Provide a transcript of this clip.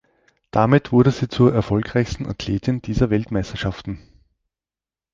Damit wurde sie zur erfolgreichsten Athletin dieser Weltmeisterschaften.